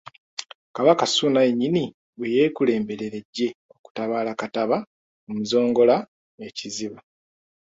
Kabaka Ssuuna yennyini bwe yeekulemberera eggye okutabaala Kattaba Omuzongola e Kiziba.